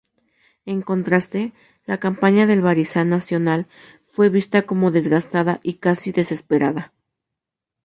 En contraste, la campaña del Barisan Nasional fue vista como desgastada y casi "desesperada".